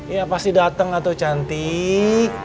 ya pasti dateng lah tuh cantik